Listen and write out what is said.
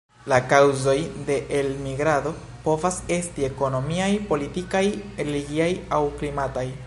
La kaŭzoj de elmigrado povas esti ekonomiaj, politikaj, religiaj aŭ klimataj.